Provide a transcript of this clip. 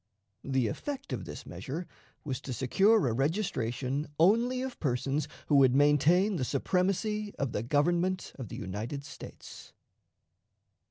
The effect of this measure was to secure a registration only of persons who would maintain the supremacy of the Government of the United States.